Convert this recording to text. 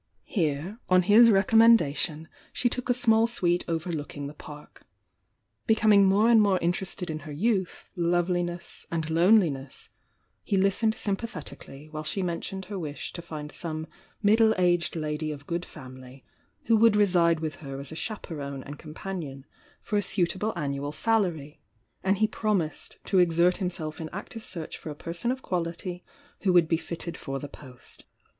Here, on his recommendation, she took a small suite overlooking the Park. Becoming more and more interested in her youth, loveliness and loneliness, he listened sympathetically while she mentioned her wish to find some middle aged lady of good family who would reside with her as a chaperone and companion for a suitable annual sal ary, — and he promised to exert himself in active search for a person of quality who would be fitted for the post.